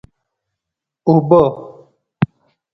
اوبه!